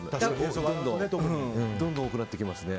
どんどん多くなってきますね。